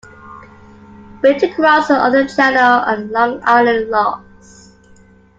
Built across the other channel are the Long Island Locks.